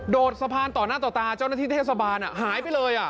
ดสะพานต่อหน้าต่อตาเจ้าหน้าที่เทศบาลหายไปเลย